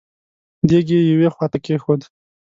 دېګ يې يوې خواته کېښود.